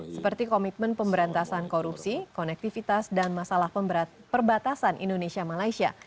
seperti komitmen pemberantasan korupsi konektivitas dan masalah perbatasan indonesia malaysia